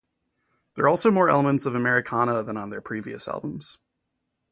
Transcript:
There are also more elements of Americana than on their previous albums.